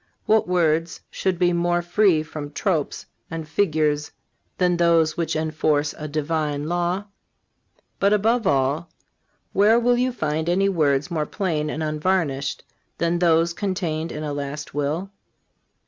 What words should be more free from tropes and figures than those which enforce a Divine law? But, above all, where will you find any words more plain and unvarnished than those contained in a last will?